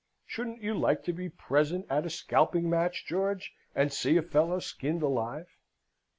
Shouldn't you like to be present at a scalping match, George, and see a fellow skinned alive?"